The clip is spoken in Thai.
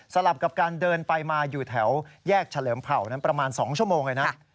ลับกับการเดินไปมาอยู่แถวแยกเฉลิมเผ่านั้นประมาณ๒ชั่วโมงเลยนะ